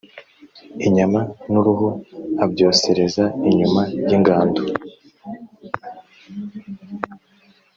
inyama n uruhu abyosereza inyuma y ingando